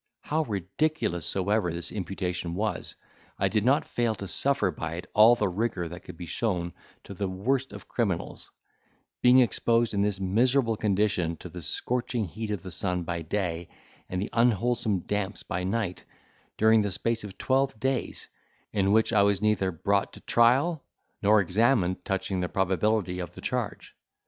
How ridiculous soever this imputation was, I did not fail to suffer by it all the rigour that could be shown to the worst of criminals, being exposed in this miserable condition to the scorching heat of the sun by day, and the unwholesome damps by night, during the space of twelve days, in which I was neither brought to trial, nor examined touching the probability of the charge.